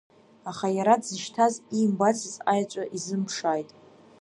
Аха иара дзышьҭаз иимбацыз аеҵәа изымԥшааит.